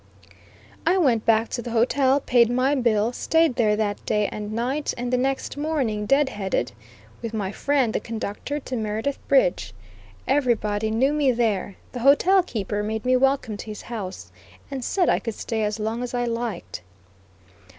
I went back to the hotel, paid my bill, stayed there that day and night, and the next morning "deadheaded," with my friend the conductor to Meredith Bridge. Everybody knew me there. The hotel keeper made me welcome to his house, and said I could stay as long as I liked.